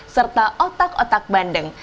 serta otak otak bandeng